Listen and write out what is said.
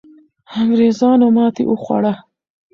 انګریزانو ماتې وخوړه.